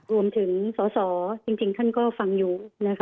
รวมถึงสอสอจริงท่านก็ฟังอยู่นะคะ